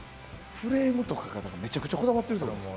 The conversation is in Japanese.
フレームとかめちゃめちゃこだわってる？